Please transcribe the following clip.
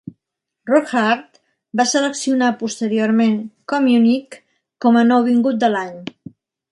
"Rock Hard" va seleccionar posteriorment Communic com a Nouvingut de l'Any.